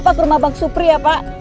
bapak rumah bang supri ya pak